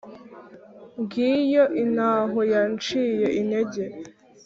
Ngiyo intaho yanciye intege.